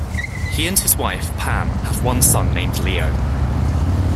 He and his wife, Pam, have one son named Leo.